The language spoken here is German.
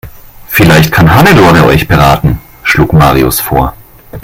"Vielleicht kann Hannelore euch beraten", schlug Marius vor.